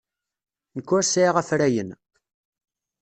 Nekk ur sɛiɣ afrayen.